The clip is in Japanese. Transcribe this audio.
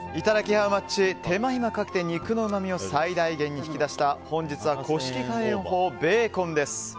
ハウマッチ手間暇かけて肉のうまみを最大限に引き出した本日は古式乾塩法ベーコンです。